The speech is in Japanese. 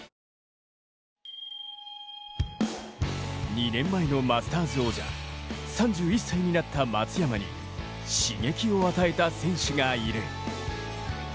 ２年前のマスターズ王者、３１歳になった松山に刺激を与えた選手がいる。